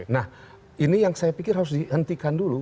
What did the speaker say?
nah ini yang saya pikir harus dihentikan dulu